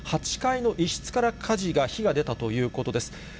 ８階の一室から火事が、火が出たということです。